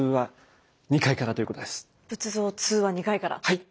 はい！